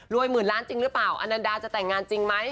หมื่นล้านจริงหรือเปล่าอนันดาจะแต่งงานจริงไหม